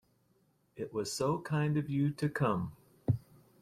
It was so kind of you to come!